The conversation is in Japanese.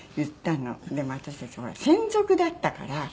でも私たちほら専属だったから。